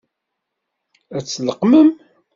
Ad t-tleqqmem?